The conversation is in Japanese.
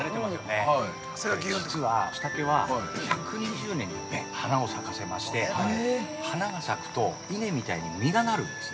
これ、実は、１２０年に一遍花を咲かせまして花が咲くと、稲みたいに実がなるんですね。